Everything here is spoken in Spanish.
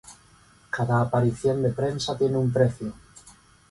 Cada aparición en prensa tiene un precio.